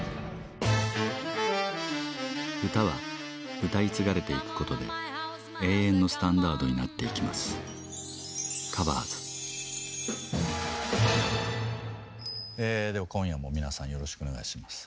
歌は歌い継がれていくことで永遠のスタンダードになっていきますでは今夜も皆さんよろしくお願いします。